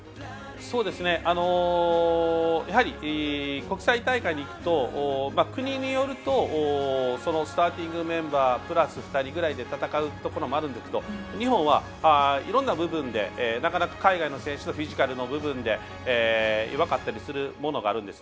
やはり、国際大会に行くと国によるとスターティングメンバープラス２人ぐらいで戦うところもあるんですけど日本はいろんな部分でなかなか海外の選手とフィジカルの部分で弱かったりするものがあるんです。